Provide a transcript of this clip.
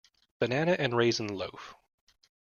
Banana and raisin loaf.